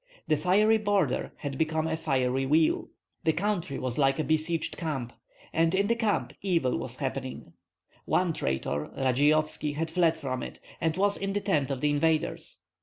The fiery border had become a fiery wheel. The country was like a besieged camp; and in the camp evil was happening. One traitor, Radzeyovski, had fled from it, and was in the tent of the invaders.